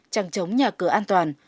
trăng chống nhà cửa an toàn